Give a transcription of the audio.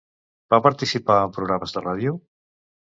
Va participar en programes de ràdio?